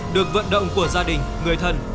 được vận động của gia đình người thân